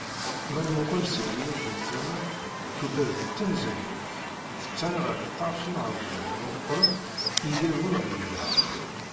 Ma nmuqel seg yiwet n tama, tudert d tamezzangut. Tettarra ɣer ṭṭerf iɣeblan meqqren i yal wa deg-neɣ.